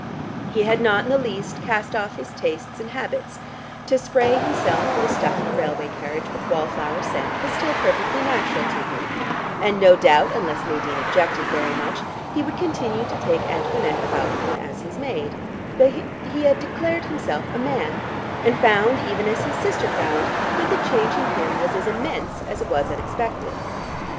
He had not in the least cast off his tastes and habits; to spray himself and a stuffy railway carriage with wall flower scent was still perfectly natural to him, and no doubt, unless Nadine objected very much, he would continue to take Antoinette about with him as his maid, but he had declared himself a man, and found, even as his sister found, that the change in him was as immense as it was unexpected.